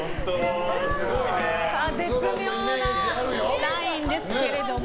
絶妙なラインですけれども。